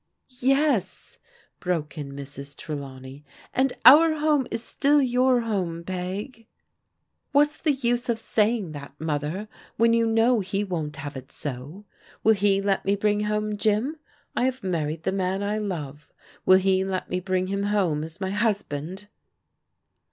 " Yes," broke in Mrs. Trelawney, " and our home is still your home. Peg." "What's the use of saying that. Mother, when you know he won't have it so? Will he let me bring home Jim? I have married the man I love. Will he let me bring him home as my husband